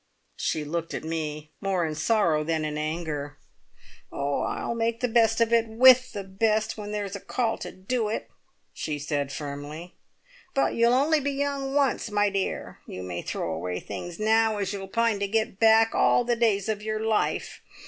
She looked at me, more in sorrow than in anger. "I'll make the best of it, with the best, when there's a call to do it," she said firmly; "but you'll only be young once, my dear. You may throw away things now as you'll pine to get back all the days of your life.